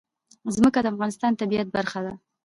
ځمکه د افغانستان د طبیعت برخه ده.